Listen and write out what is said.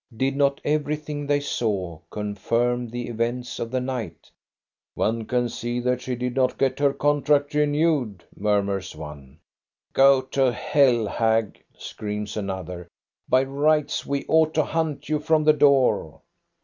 Did not everything they saw confirm the events of the night ? "One can see that she did not get her contract renewed," murmurs one. CHRISTMAS DAY 59 " Go to hell, hag !" screams another. " By rights we ought to hunt you from the door."